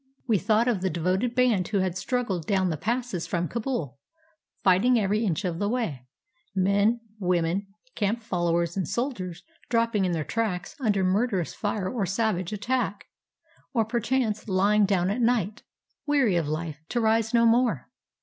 We thought of the devoted band who had struggled down the passes from Kabul, fighting every inch of the way; men, women, camp followers, and soldiers dropping in their tracks under murderous fire or savage attack; or perchance lying down at night, weary of life, to rise no more.